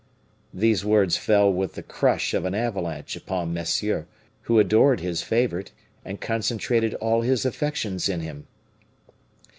These words fell with the crush of an avalanche upon Monsieur, who adored his favorite, and concentrated all his affections in him.